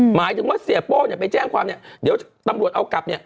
หมายถึงว่าเสียโป้เนี่ยไปแจ้งความเนี่ยเดี๋ยวตำรวจเอากลับเนี่ย